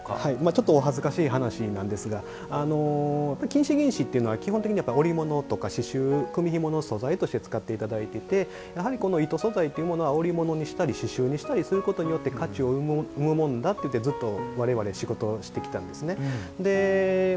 ちょっとお恥ずかしい話なんですが金糸、銀糸というのは基本的には織物とか組紐の素材として使っていただいてて糸素材というのは織物にしたり刺しゅうにしたりすることにより価値を生むものだといってずっと我々仕事してきたんですね。